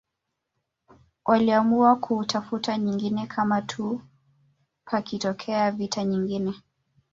Waliamua kutafuta nyingine kama tuu pakitokea vita nyingine